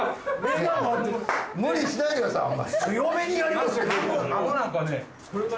無理しないでくださいあんま。